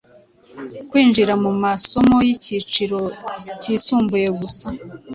kwinjira mu masomo y’icyiciro cyisumbuye gusa,